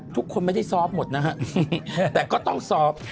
ทุกคนไม่ได้ซอฟต์หมดนะฮะแต่ก็ต้องซอฟต์